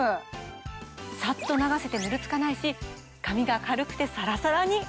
サッと流せてヌルつかないし髪が軽くてサラサラに！